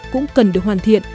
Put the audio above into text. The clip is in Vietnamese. cũng cần được hoàn thiện